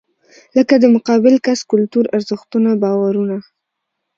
لکه د مقابل کس کلتور، ارزښتونه، باورونه .